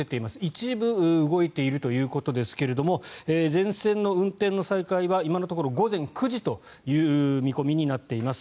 一部動いているということですが全線の運転の再開は今のところ午前９時という見込みになっています。